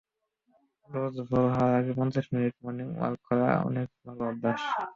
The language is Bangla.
রোজ ভোর হওয়ার আগে পঞ্চাশ মিনিট মর্নিং ওয়াক করা তার অনেককালের অভ্যাস।